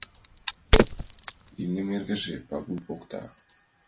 Имньым эргыже Пагул покта.